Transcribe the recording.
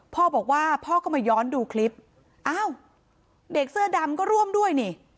พ่อบอกว่าพ่อก็มาย้อนดูคลิปอ้าวเด็กเสื้อดำก็ร่วมด้วยนี่